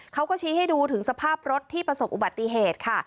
เขาก็ชี้ให้ดูถึงสภาพรถที่ประสบอุบัติเหตุค่ะ